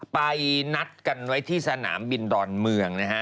ไปนัดกันไว้ที่สนามบินดอนเมืองนะฮะ